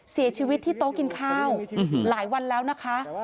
เสียชีวิตที่โต๊ะกินข้าวหลายวันแล้วนะคะ